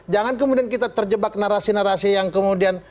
jangan kemudian kita terjebak narasi narasi yang kemudian